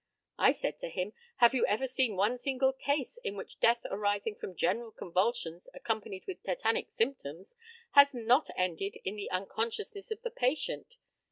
I said to him, "Have you ever seen one single case in which death arising from general convulsions accompanied with tetanic symptoms has not ended in the unconsciousness of the patient?"